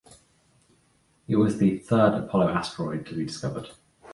It was the third Apollo asteroid to be discovered.